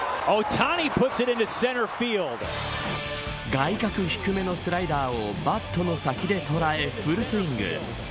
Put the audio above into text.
外角低めのスライダーをバットの先で捉えフルスイング。